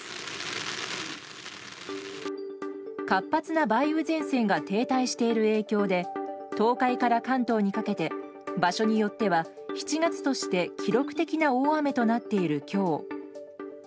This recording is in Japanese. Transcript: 活発な梅雨前線が停滞している影響で東海から関東にかけて場所によっては７月として記録的な大雨となっている今日